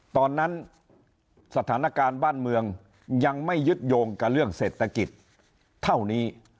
ตอนนั้นสถานการณ์บ้านเมืองยังไม่ยึดโยงกับเรื่องเศรษฐกิจเท่านี้